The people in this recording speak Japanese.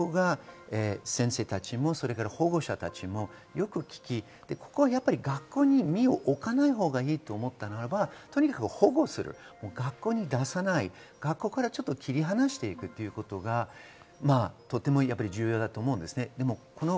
先生たちも保護者たちもよく聞き、学校に身を置かないほうがいいと思ったならば保護する、学校に出さない、切り離していくということがとても重要です。